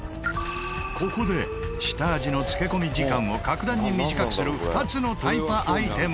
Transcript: ここで下味の漬け込み時間を格段に短くする２つのタイパアイテムが。